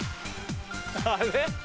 あれ？